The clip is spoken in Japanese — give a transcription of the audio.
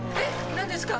何ですか？